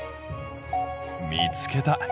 見つけた！